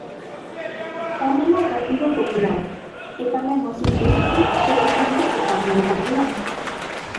Tamén ao Partido Popular, e tamén aos intereses que defende o Partido Popular.